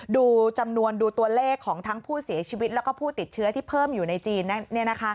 ดูจำนวนดูตัวเลขของทั้งผู้เสียชีวิตแล้วก็ผู้ติดเชื้อที่เพิ่มอยู่ในจีน